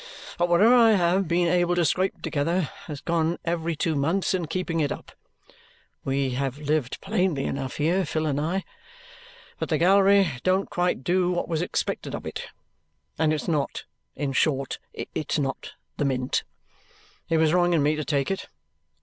But whatever I have been able to scrape together has gone every two months in keeping it up. We have lived plainly enough here, Phil and I. But the gallery don't quite do what was expected of it, and it's not in short, it's not the mint. It was wrong in me to take it?